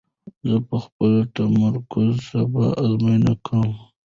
زه به خپل تمرکز سبا ازموینه کړم.